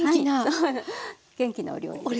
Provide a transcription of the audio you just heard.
元気なお料理ですね。